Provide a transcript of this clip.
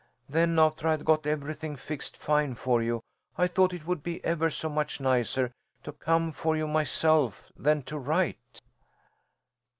Then, after I'd got everything fixed fine for you, I thought it would be ever so much nicer to come for you myself than to write."